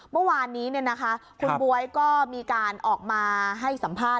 เมื่อวานนี้คุณบ๊วยก็มีการออกมาให้สัมภาษณ